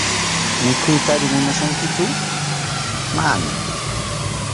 ¿Mikhuytari munachkankichu?- Mana.